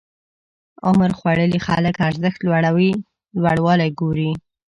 عمرخوړلي خلک ارزښت لوړوالی ګوري.